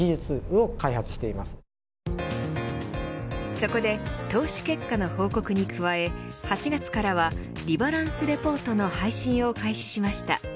そこで投資結果の報告に加え８月からはリバランスレポートの配信を開始しました。